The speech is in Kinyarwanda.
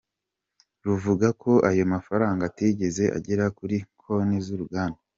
Ruvuga ko ayo mafaranga atigeze agera kuri konti z’uruganda.